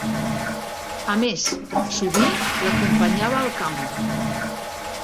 A més, sovint l'acompanyava al camp.